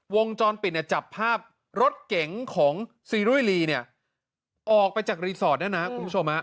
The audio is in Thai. วงจรปิดเนี่ยจับภาพรถเก๋งของซีรุยลีเนี่ยออกไปจากรีสอร์ทเนี่ยนะคุณผู้ชม